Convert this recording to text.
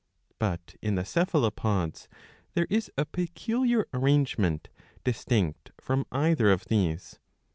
But in the Cephalopods there is a peculiar arrangement, distinct from either of these.